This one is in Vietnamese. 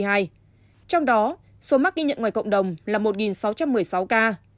trong đó số mắc ghi nhận ngoài cộng đồng là một sáu trăm một mươi sáu ca